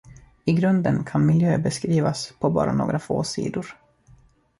I grunden kan miljö beskrivas på bara några få sidor.